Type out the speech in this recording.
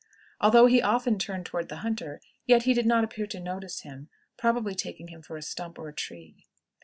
Although he often turned toward the hunter, yet he did not appear to notice him, probably taking him for a stump or tree.